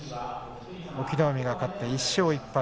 隠岐の海が勝って１勝１敗